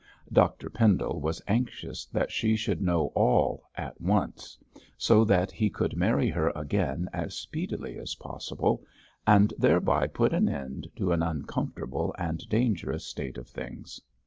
Dr Pendle was anxious that she should know all at once, so that he could marry her again as speedily as possible, and thereby put an end to an uncomfortable and dangerous state of things.